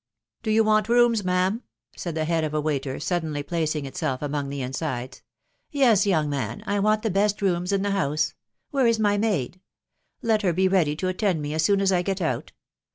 " Do you want rooms, ma'am ?" said the head of a waiter, suddenly placing itself among the insides. " Yes, young man, 1 want the best rooms in the house. .•• Where is my maid ?— Let her be ready to attend me as soon as I get out.